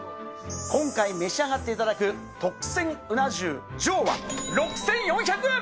今回召し上がっていただく、特選うな重上は、６４００円。